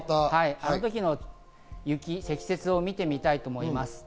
あの積雪を見てみたいと思います。